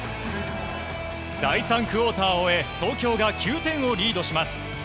第３クオーターを終え東京が９点リードします。